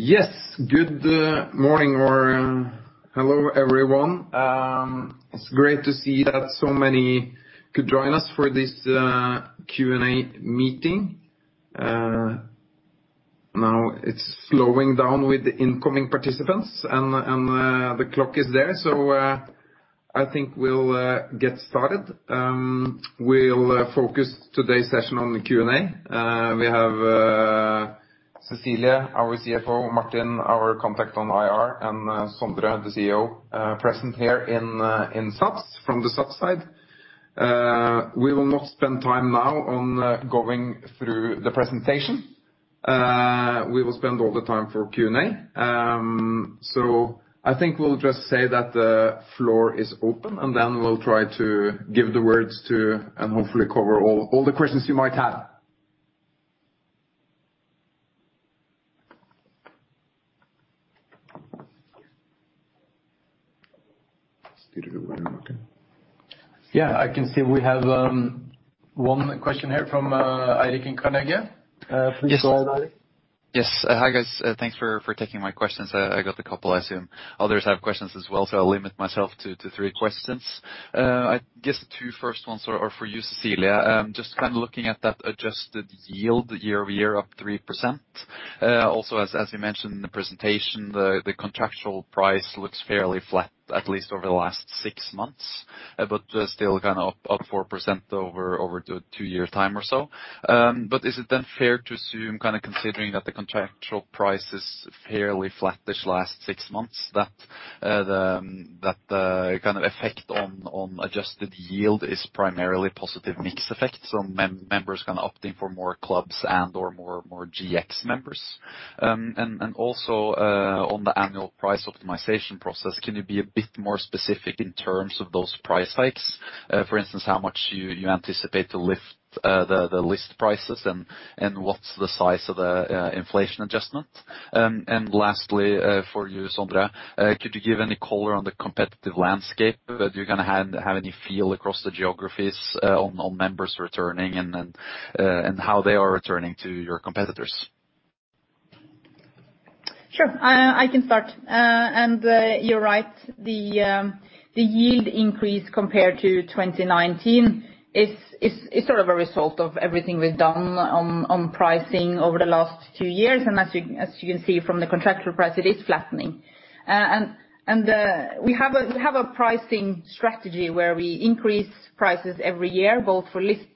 Yes. Good morning or hello, everyone. It's great to see that so many could join us for this Q&A meeting. Now it's slowing down with the incoming participants, and the clock is there. I think we'll get started. We'll focus today's session on the Q&A. We have Cecilia, our CFO, Martin, our contact on IR, and Sondre, the CEO, present here in subs from the sub side. We will not spend time now on going through the presentation. We will spend all the time for Q&A. I think we'll just say that the floor is open, and then we'll try to give the words to and hopefully cover all the questions you might have. Yeah, I can see we have one question here from Eirik in Carnegie. Please go ahead, Eirik. Yes. Hi, guys. Thanks for taking my questions. I got a couple. I assume others have questions as well, so I'll limit myself to three questions. I guess the two first ones are for you, Cecilia. Just kind of looking at that adjusted yield year-over-year up 3%. Also as you mentioned in the presentation, the contractual price looks fairly flat at least over the last six months, but still kind of up 4% over two-year time or so. But is it then fair to assume, kind of considering that the contractual price is fairly flat this last six months, that the kind of effect on adjusted yield is primarily positive mix effect, so members kind of opting for more clubs and/or more GX members? Also, on the annual price optimization process, can you be a bit more specific in terms of those price hikes? For instance, how much you anticipate to lift the list prices, and what's the size of the inflation adjustment? Lastly, for you, Sondre, could you give any color on the competitive landscape? Do you kinda have any feel across the geographies on members returning and how they are returning to your competitors? Sure. I can start. You're right, the yield increase compared to 2019 is sort of a result of everything we've done on pricing over the last two years. As you can see from the contractual price, it is flattening. We have a pricing strategy where we increase prices every year, both for list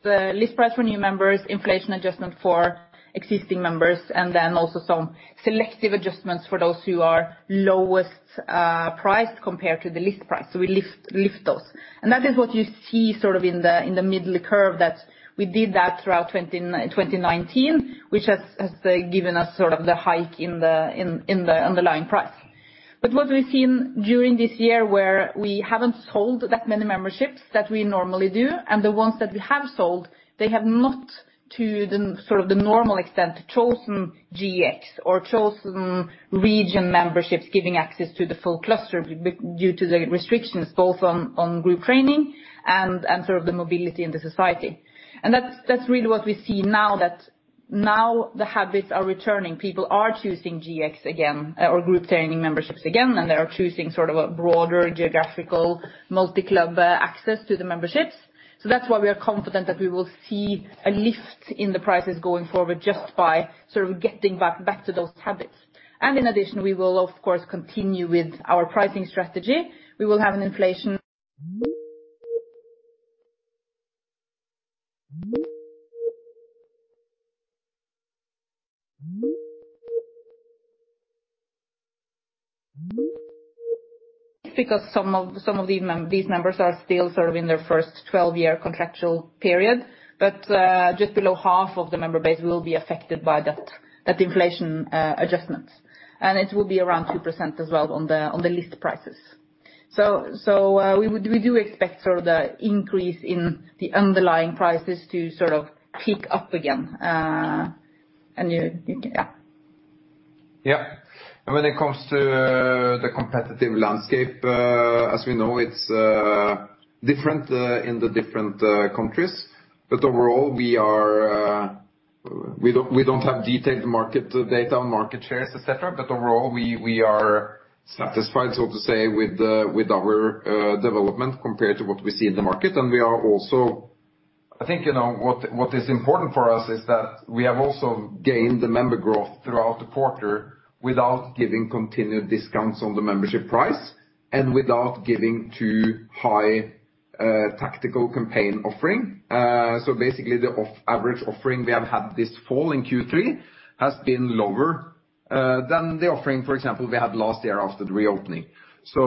price for new members, inflation adjustment for existing members, and then also some selective adjustments for those who are lowest price compared to the list price. We lift those. That is what you see sort of in the middle curve that we did that throughout 2019, which has given us sort of the hike in the underlying price. What we've seen during this year where we haven't sold that many memberships that we normally do, and the ones that we have sold, they have not to the sort of the normal extent chosen GX or chosen region memberships giving access to the full cluster because due to the restrictions both on group training and sort of the mobility in the society. That's really what we see now that the habits are returning. People are choosing GX again, or group training memberships again, and they are choosing sort of a broader geographical multi-club access to the memberships. That's why we are confident that we will see a lift in the prices going forward just by sort of getting back to those habits. In addition, we will of course continue with our pricing strategy. We will have an inflation because some of these members are still sort of in their first 12-year contractual period. Just below half of the member base will be affected by that inflation adjustment. It will be around 2% as well on the list prices. We do expect sort of the increase in the underlying prices to sort of pick up again. Yeah. When it comes to the competitive landscape, as we know, it's different in the different countries. Overall, we don't have detailed market data on market shares, et cetera, but overall we are satisfied, so to say, with our development compared to what we see in the market. I think, you know, what is important for us is that we have also gained the member growth throughout the quarter without giving continued discounts on the membership price and without giving too high tactical campaign offering. Basically, the average offering we have had this fall in Q3 has been lower than the offering, for example, we had last year after the reopening. We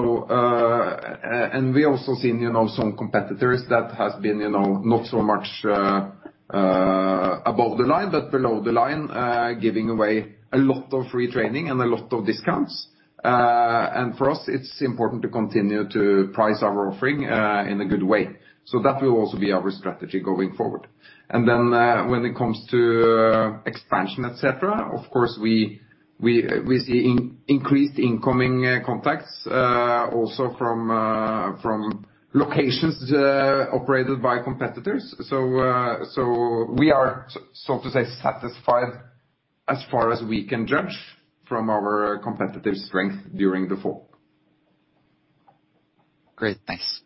also seen, you know, some competitors that has been, you know, not so much above the line, but below the line, giving away a lot of free training and a lot of discounts. For us, it's important to continue to price our offering in a good way. That will also be our strategy going forward. When it comes to expansion, et cetera, of course, we see increased incoming contacts also from locations operated by competitors. We are so to say satisfied as far as we can judge from our competitive strength during the fall. Great. Thanks.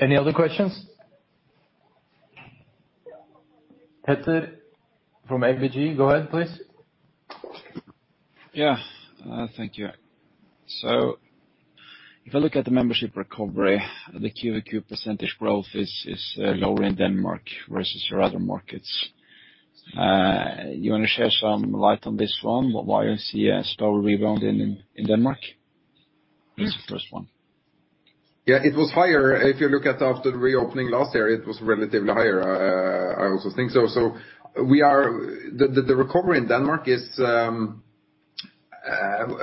Any other questions? Petter from ABG, go ahead, please. Yeah. Thank you. If I look at the membership recovery, the Q over Q percentage growth is lower in Denmark versus your other markets. You wanna shed some light on this one, why you see a slower rebound in Denmark? This is the first one. Yeah. It was higher. If you look at after the reopening last year, it was relatively higher. I also think so. We are the recovery in Denmark is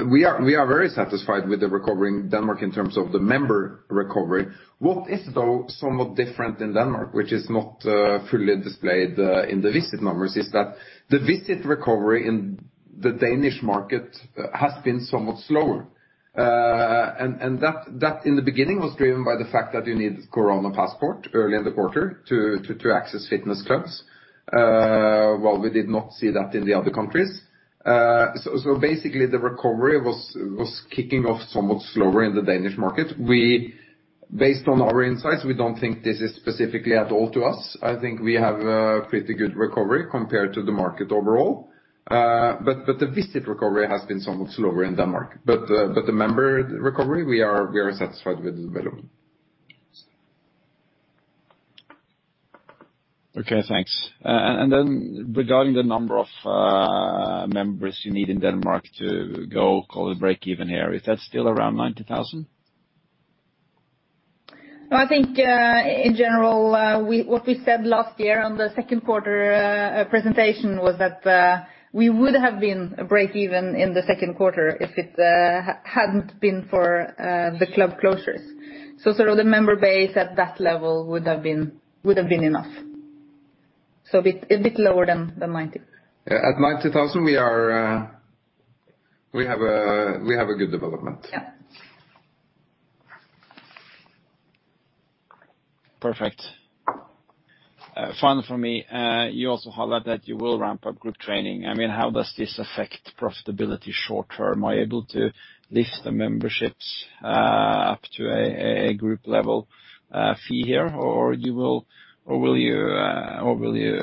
we are very satisfied with the recovery in Denmark in terms of the member recovery. What is though somewhat different in Denmark, which is not fully displayed in the visit numbers, is that the visit recovery in the Danish market has been somewhat slower. That in the beginning was driven by the fact that you need Corona passport early in the quarter to access fitness clubs, while we did not see that in the other countries. Basically the recovery was kicking off somewhat slower in the Danish market. Based on our insights, we don't think this is specifically at all to us. I think we have a pretty good recovery compared to the market overall. The visit recovery has been somewhat slower in Denmark. The member recovery, we are satisfied with the development. Okay, thanks. Regarding the number of members you need in Denmark to go call it break even here, is that still around 90,000? I think in general what we said last year on the second quarter presentation was that we would have been break even in the second quarter if it hadn't been for the club closures. Sort of the member base at that level would have been enough. A bit lower than 90. Yeah. At 90,000, we have a good development. Yeah. Perfect. Final for me, you also highlight that you will ramp up group training. I mean, how does this affect profitability short-term? Are you able to lift the memberships up to a group level fee here? Or will you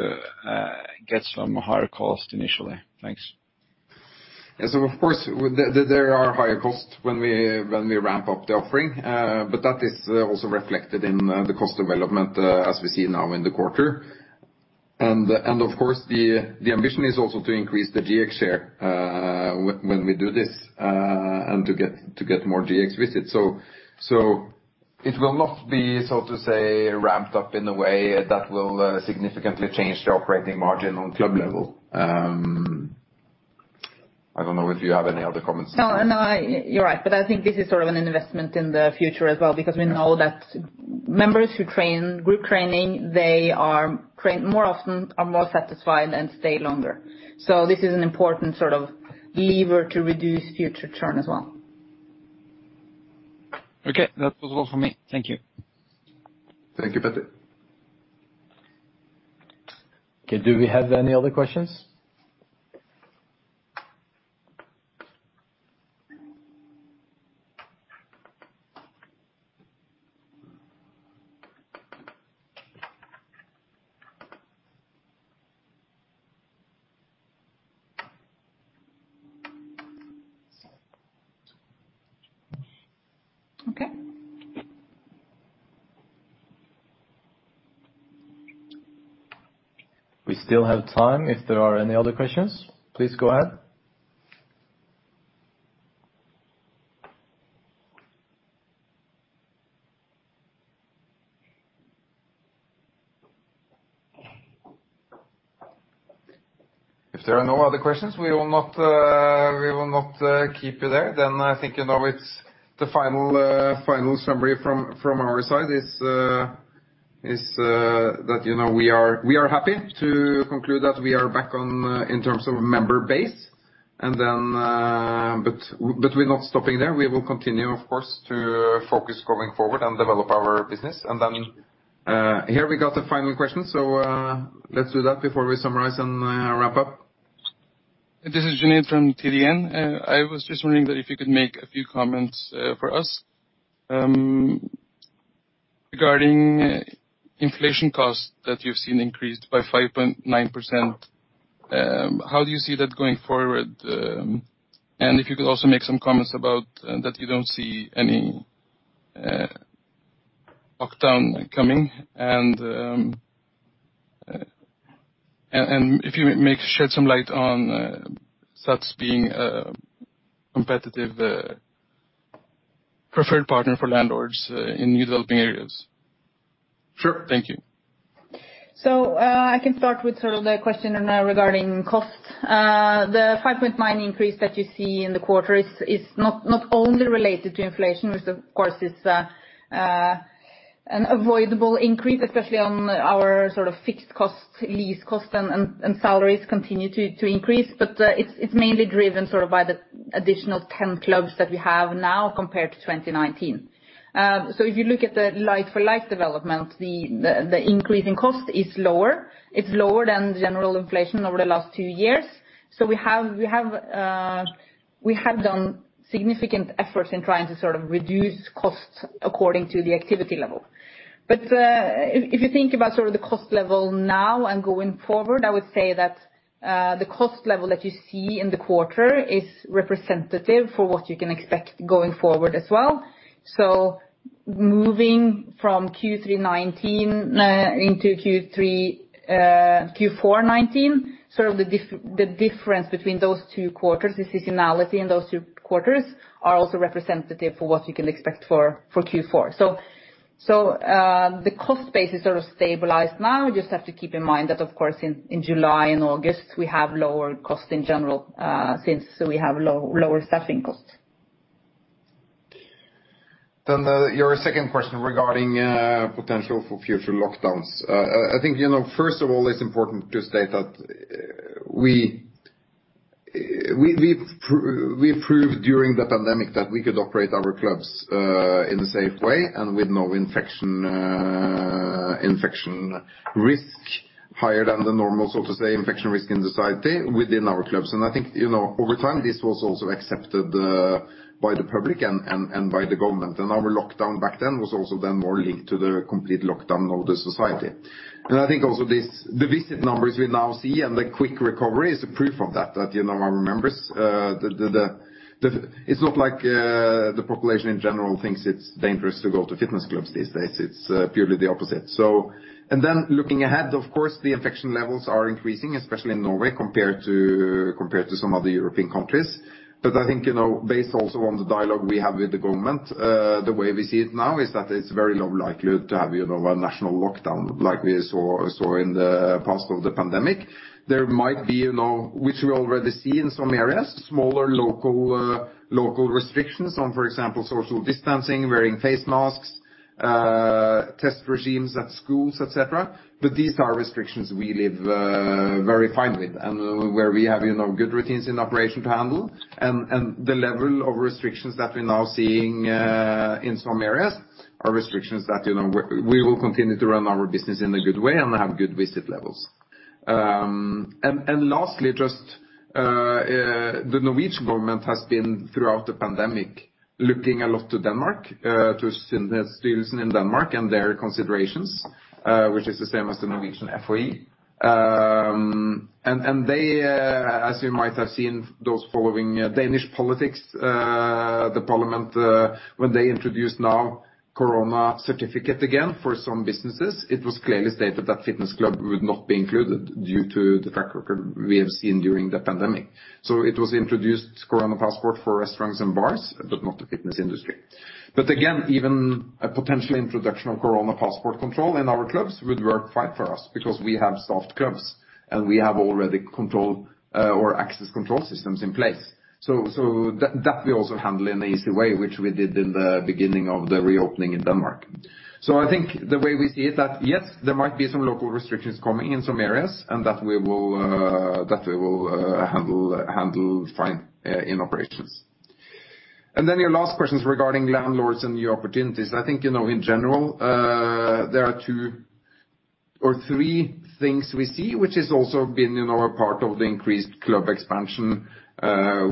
get some higher cost initially? Thanks. Yeah. Of course there are higher costs when we ramp up the offering. That is also reflected in the cost development as we see now in the quarter. Of course, the ambition is also to increase the GX share when we do this and to get more GX visits. It will not be, so to say, ramped up in a way that will significantly change the operating margin on club level. I don't know if you have any other comments. No, no, you're right. I think this is sort of an investment in the future as well, because we know that members who train group training, they are more often, are more satisfied and stay longer. This is an important sort of lever to reduce future churn as well. Okay, that was all for me. Thank you. Thank you, Petter. Okay. Do we have any other questions? Okay. We still have time if there are any other questions. Please go ahead. If there are no other questions, we will not keep you there. I think, you know, it's the final summary from our side is that, you know, we are happy to conclude that we are back on in terms of member base. Here we got a final question. Let's do that before we summarize and wrap up. This is Junaid from DNB. I was just wondering if you could make a few comments for us regarding inflation costs that you've seen increased by 5.9%. How do you see that going forward? If you could also make some comments about that you don't see any lockdown coming and shed some light on SATS being a competitive preferred partner for landlords in new developing areas. Sure. Thank you. I can start with sort of the question regarding cost. The 5.9 increase that you see in the quarter is not only related to inflation, which of course is an unavoidable increase, especially on our sort of fixed costs, lease costs and salaries continue to increase, but it's mainly driven sort of by the additional 10 clubs that we have now compared to 2019. If you look at the like-for-like development, the increase in cost is lower. It's lower than general inflation over the last 2 years. We have done significant efforts in trying to sort of reduce costs according to the activity level. If you think about sort of the cost level now and going forward, I would say that the cost level that you see in the quarter is representative for what you can expect going forward as well. Moving from Q3 2019 into Q4 2019, sort of the difference between those two quarters, the seasonality in those two quarters, are also representative for what you can expect for Q4. The cost base is sort of stabilized now. You just have to keep in mind that, of course, in July and August, we have lower costs in general, since we have lower staffing costs. Your second question regarding potential for future lockdowns. I think, you know, first of all, it's important to state that we proved during the pandemic that we could operate our clubs in a safe way and with no infection risk higher than the normal, so to say, infection risk in society within our clubs. I think, you know, over time, this was also accepted by the public and by the government. Our lockdown back then was also then more linked to the complete lockdown of the society. I think also this, the visit numbers we now see and the quick recovery is a proof of that. That, you know, our members, it's not like the population in general thinks it's dangerous to go to fitness clubs these days. It's purely the opposite. Looking ahead, of course, the infection levels are increasing, especially in Norway, compared to some other European countries. I think, you know, based also on the dialogue we have with the government, the way we see it now is that it's very low likelihood to have, you know, a national lockdown like we saw in the past of the pandemic. There might be, you know, which we already see in some areas, smaller local restrictions on, for example, social distancing, wearing face masks, test regimes at schools, et cetera. These are restrictions we live very fine with and where we have, you know, good routines in operation to handle. The level of restrictions that we're now seeing in some areas are restrictions that, you know, we will continue to run our business in a good way and have good visit levels. The Norwegian government has been, throughout the pandemic, looking a lot to Denmark to Søren Brostrøm in Denmark and their considerations, which is the same as the Norwegian FHI. As you might have seen, those following Danish politics, the parliament, when they introduced now corona certificate again for some businesses, it was clearly stated that fitness club would not be included due to the track record we have seen during the pandemic. It was introduced Corona passport for restaurants and bars, but not the fitness industry. Again, even a potential introduction of Corona passport control in our clubs would work fine for us because we have staffed clubs, and we have already control or access control systems in place. So that we also handle in an easy way, which we did in the beginning of the reopening in Denmark. I think the way we see it, that yes, there might be some local restrictions coming in some areas and that we will handle fine in operations. Your last question is regarding landlords and new opportunities. I think, you know, in general, there are two or three things we see, which has also been, you know, a part of the increased club expansion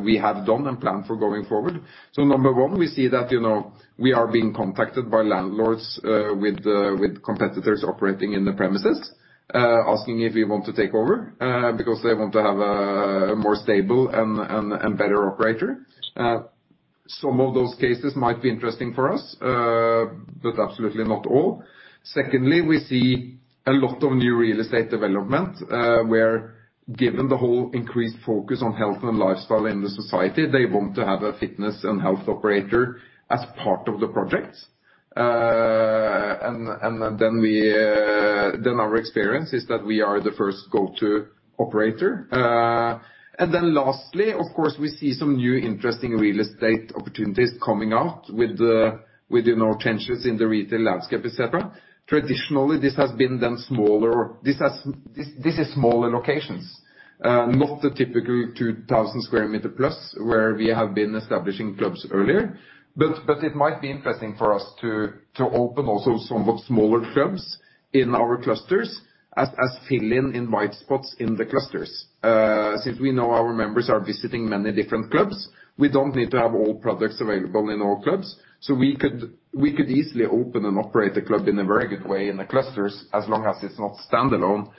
we have done and planned for going forward. Number one, we see that, you know, we are being contacted by landlords with competitors operating in the premises, asking if we want to take over, because they want to have a more stable and better operator. Some of those cases might be interesting for us, but absolutely not all. Secondly, we see a lot of new real estate development, where given the whole increased focus on health and lifestyle in the society, they want to have a fitness and health operator as part of the project. Our experience is that we are the first go-to operator. Lastly, of course, we see some new interesting real estate opportunities coming out with the, you know, changes in the retail landscape, et cetera. Traditionally, this has been then smaller... This is smaller locations, not the typical 2,000 sq m plus where we have been establishing clubs earlier. It might be interesting for us to open also somewhat smaller clubs in our clusters as fill-in in white spots in the clusters. Since we know our members are visiting many different clubs, we don't need to have all products available in all clubs. We could easily open and operate the club in a very good way in the clusters, as long as it's not standalone,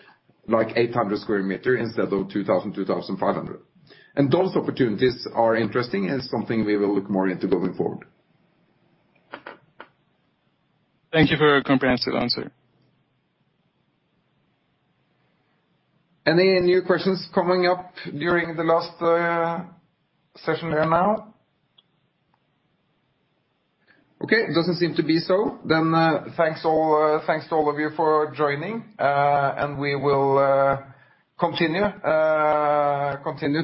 like 800 sq m instead of 2,000, 2,500. Those opportunities are interesting and something we will look more into going forward. Thank you for your comprehensive answer. Any new questions coming up during the last session there now? Okay, doesn't seem to be so. Thanks to all of you for joining. We will continue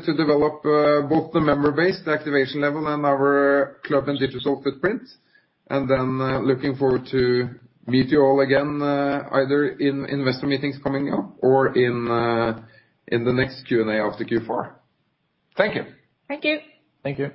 to develop both the member base, the activation level, and our club and digital footprint. Looking forward to meet you all again, either in investor meetings coming up or in the next Q&A after Q4. Thank you. Thank you. Thank you.